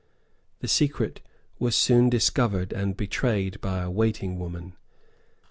The secret was soon discovered and betrayed by a waiting woman.